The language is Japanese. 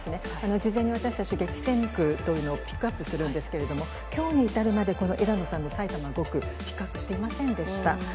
事前に私たち、激戦区というのをピックアップするんですけれども、きょうに至るまでこの枝野さんの埼玉５区、ピックアップしていませんでした。